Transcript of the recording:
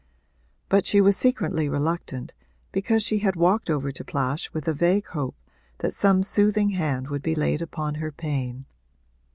But she was secretly reluctant, because she had walked over to Plash with a vague hope that some soothing hand would be laid upon her pain.